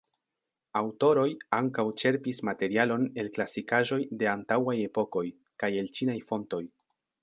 Aŭtoroj ankaŭ ĉerpis materialon el klasikaĵoj de antaŭaj epokoj, kaj el ĉinaj fontoj.